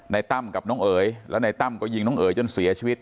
ตั้มกับน้องเอ๋ยแล้วในตั้มก็ยิงน้องเอ๋ยจนเสียชีวิต